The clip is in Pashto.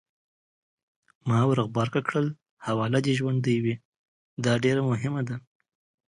ما ورغبرګه کړل: حواله دې ژوندۍ وي! دا ډېره مهمه ده.